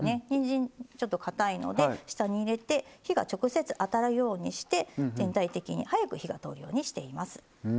にんじんちょっとかたいので下に入れて火が直接当たるようにして全体的に早く火が通るようにしています。